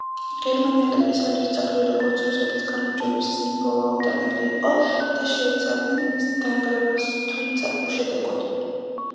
გერმანელებისათვის, ძეგლი, როგორც რუსეთის გამარჯვების სიმბოლო აუტანელი იყო და შეეცადნენ მის დანგრევას, თუმცა უშედეგოდ.